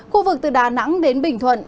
khu vực từ đà nẵng đến bình thuận